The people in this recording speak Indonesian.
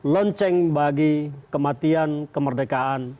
penceng bagi kematian kemerdekaan